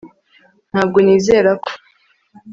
Ntabwo nizera ko